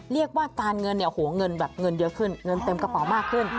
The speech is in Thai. เรียกว่าการเงินเงินเยอะขึ้นเงินเต็มกระเป๋ามากขึ้น